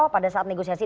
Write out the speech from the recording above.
pada saat negosiasi